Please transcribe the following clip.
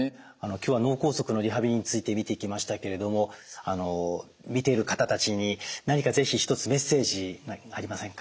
今日は脳梗塞のリハビリについて見ていきましたけれども見ている方たちに何か是非一つメッセージ何かありませんか？